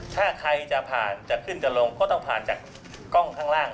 ถ้าใครจะผ่านจะขึ้นจะลงก็ต้องผ่านจากกล้องข้างล่าง